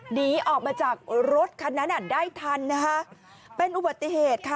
หนีออกมาจากรถคันนั้นอ่ะได้ทันนะคะเป็นอุบัติเหตุค่ะ